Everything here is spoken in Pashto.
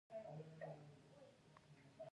بانکونه یې ډیر احتیاط کوي.